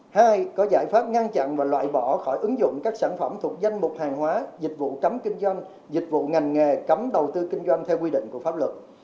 hai có giải pháp ngăn chặn và loại bỏ khỏi ứng dụng các sản phẩm thuộc danh mục hàng hóa dịch vụ cấm kinh doanh dịch vụ ngành nghề cấm đầu tư kinh doanh theo quy định của pháp luật